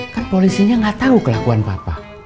kan polisinya ga tau kelakuan papa